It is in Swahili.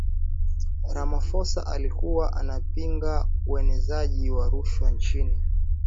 ramaphosa alikuwa anapinga uenezaji wa rushwa nchini